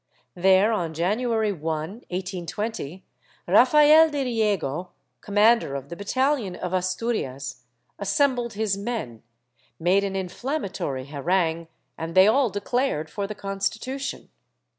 There, on January 1, 1820, Rafael de Riego, commander of the battalion of Asturias, assembled his men, made an inflammatory harangue, and they all declared for the Constitution.